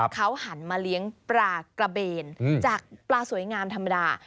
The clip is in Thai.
เขาหันมาเลี้ยงปลากระเบนจากปลาสวยงามธรรมดา